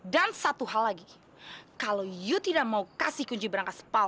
dan satu hal lagi kalau kamu tidak mau memberikan kunci berangkas paul